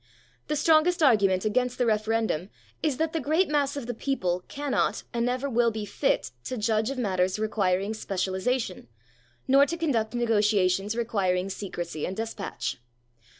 The strongest argument against the Referendum is that the great mass of the people cannot and never will be fit to judge of matters requiring specialisation, nor to conduct negotiations requiring secrecy and despatch.